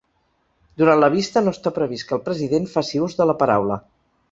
Durant la vista, no està previst que el president faci ús de la paraula.